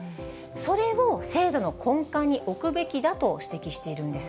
それを制度の根幹に置くべきだと指摘しているんです。